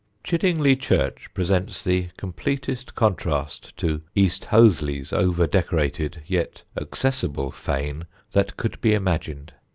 Chiddingly church presents the completest contrast to East Hoathly's over decorated yet accessible fane that could be imagined.